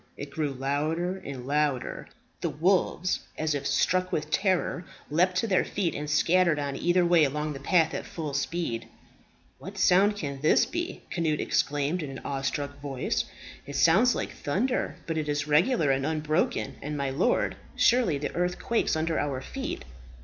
It grew louder and louder. The wolves, as if struck with terror, leaped to their feet, and scattered on either way along the path at full speed. "What sound can this be?" Cnut exclaimed in an awestruck voice. "It sounds like thunder; but it is regular and unbroken; and, my lord, surely the earth quakes under our feet!"